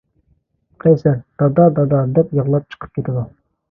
قەيسەر: دادا، دادا دەپ يىغلاپ چىقىپ كېتىدۇ.